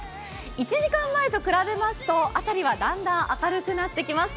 １時間前と比べますと辺りはだんだん明るくなってきました。